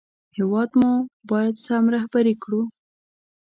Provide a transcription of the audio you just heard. هېواد مو باید سم رهبري کړو